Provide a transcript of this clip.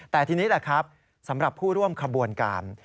แต่ทีนี้แหละครับสำหรับผู้ร่วมขบวนการ